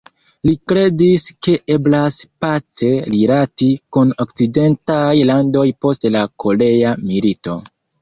Li kredis ke eblas pace rilati kun okcidentaj landoj post la Korea milito.